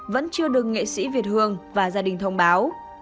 vẫn chưa đừng nghệ sĩ việt hương và gia đình thông báo